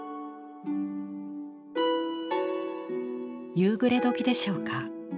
夕暮れ時でしょうか？